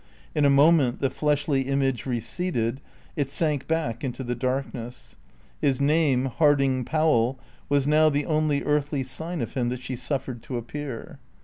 In a moment the fleshly image receded, it sank back into the darkness. His name, Harding Powell, was now the only earthly sign of him that she suffered to appear.